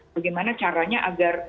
bagaimana caranya agar